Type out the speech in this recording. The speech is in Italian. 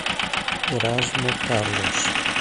Erasmo Carlos